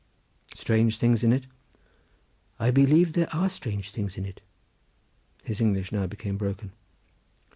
"Strange things in it?" "I believe there are strange things in it." His English now became broken.